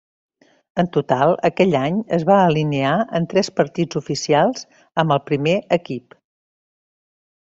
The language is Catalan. En total, aquell any es va alinear en tres partits oficials amb el primer equip.